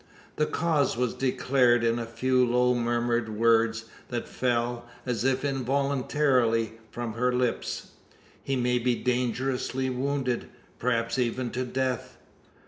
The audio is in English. The cause was declared in a few low murmured words, that fell, as if involuntarily, from her lips. "He may be dangerously wounded perhaps even to death?"